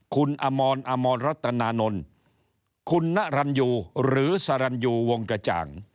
คุณอมรอมรรัตนานนท์คุณนรันยูหรือสรรยูวงกระจ่าง